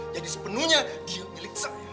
jadi sepenuhnya dia milik saya